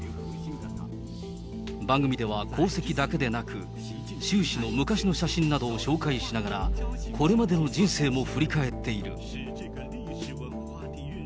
番組では、功績だけでなく、習氏の昔の写真などを紹介しながら、これまでの人生も振り返っている。